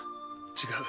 違う。